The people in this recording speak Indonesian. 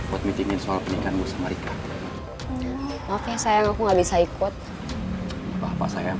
oh iya itu soal gamelan ceritanya gimana sih